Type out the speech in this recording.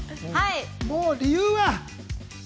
もう、理由は？